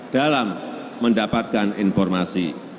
dalam mendapatkan informasi